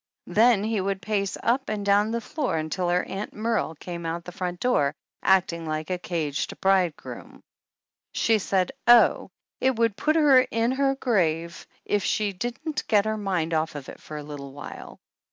Then he would pace up and down the floor until her Aunt Merle came out of the front door, acting like a caged bridegroom! She said, oh, it would put her in her grave if she didn't get her mind off of it for a little while!